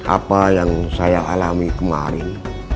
apa yang saya alami kemarin